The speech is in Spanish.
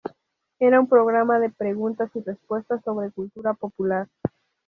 Era un programa de preguntas y respuestas sobre cultura popular.